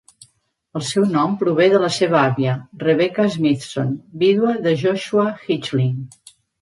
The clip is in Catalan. El seu nom prové de la seva àvia, Rebecca Smithson, vídua de Joshua Hitchling.